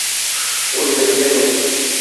ওদিন তাঁকে ফিরিয়ে এনেছেন।